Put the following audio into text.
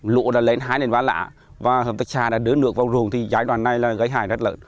lụa đã lên hai nền vã lạ và hợp tác xa đã đưa nước vào ruồng thì giai đoạn này là gây hại rất lớn